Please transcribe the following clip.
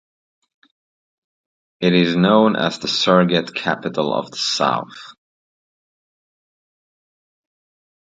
It is known as the "Sugat Capital of the South".